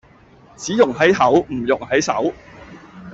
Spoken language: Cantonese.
只溶喺口唔溶喺手